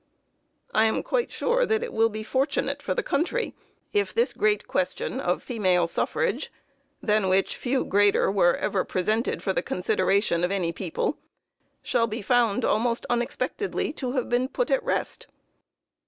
I am quite sure that it will be fortunate for the country, if this great question of female suffrage, than which few greater were ever presented for the consideration of any people, shall be found, almost unexpectedly, to have been put at rest.